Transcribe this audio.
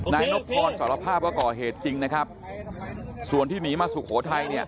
นายนบพรสารภาพว่าก่อเหตุจริงนะครับส่วนที่หนีมาสุโขทัยเนี่ย